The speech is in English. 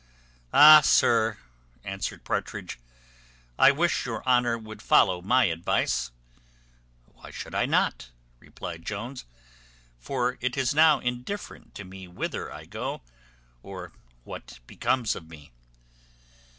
"Ah, sir," answered Partridge, "I wish your honour would follow my advice." "Why should I not?" replied Jones; "for it is now indifferent to me whither I go, or what becomes of me."